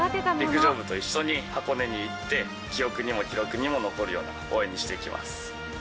陸上部と一緒に箱根に行って、記憶にも記録にも残るような応援にしていきます。